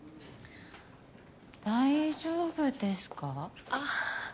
・大丈夫ですか？あっ。